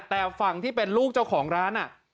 แต่ฝั่งที่เป็นลูกเจ้าของร้าน